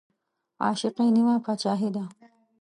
عاشقي نيمه باچاهي ده